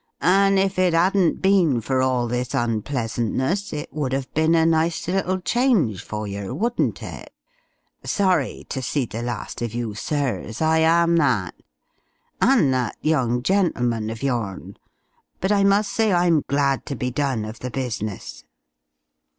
And if it 'adn't been for all this unpleasantness, it would 'ave bin a nice little change for yer, wouldn't it? Sorry to see the last of you, sirs, I am that. And that young gentleman of your'n. But I must say I'm glad to be done of the business."